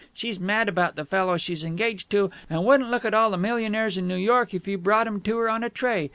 She's mad about the fellow she's engaged to, and wouldn't look at all the millionaires in New York if you brought 'em to her on a tray.